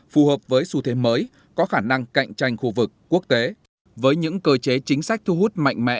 phù hợp với xu thế mới có khả năng cạnh tranh khu vực quốc tế với những cơ chế chính sách thu hút mạnh mẽ